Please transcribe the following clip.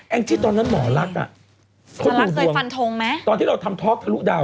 แอ้งที่ตอนนั้นหมอลักษณ์อะเขาตูดวงหมอลักษณ์เคยฟันทงไหม